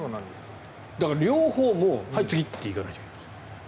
だから、両方はい、次って行かないといけない。